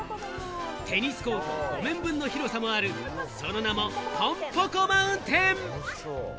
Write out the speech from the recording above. テニスコート５面分の広さもある、その名もぽんぽこマウンテン！